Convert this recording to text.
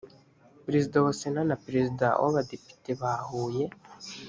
perezida wa sena na perezida wabadepite bahuye.